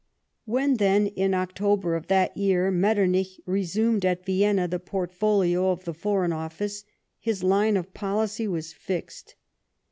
When, then, in October of that year, Metternich resumed at Vienna the portfolio of the Foreign Office, his line of policy was fixed.